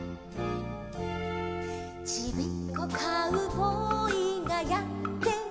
「ちびっこカウボーイがやってきた」